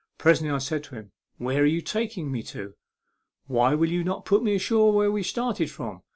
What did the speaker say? Presently I said to him, " Where are you taking me to ? Why will you not put me ashore where we started from